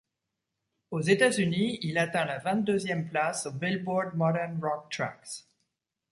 Aux États-Unis, il atteint la vingt-deuxième place au Billboard Modern Rock Tracks.